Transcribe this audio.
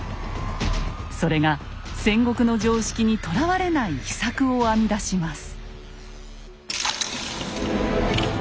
それが戦国の常識にとらわれない秘策を編み出します。